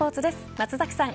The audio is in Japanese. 松崎さん